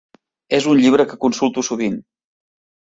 És un llibre que consulto sovint.